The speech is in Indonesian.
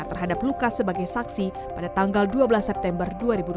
terhadap lukas sebagai saksi pada tanggal dua belas september dua ribu dua puluh